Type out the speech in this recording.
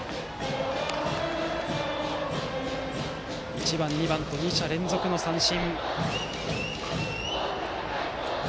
１番、２番と２者連続の三振。